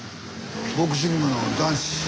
ボクシングの男子。